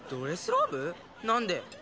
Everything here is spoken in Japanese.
何で？